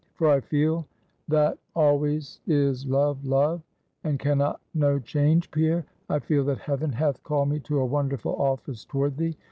For I feel, that always is love love, and can not know change, Pierre; I feel that heaven hath called me to a wonderful office toward thee.